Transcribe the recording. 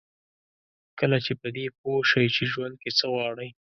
کله چې په دې پوه شئ چې ژوند کې څه غواړئ.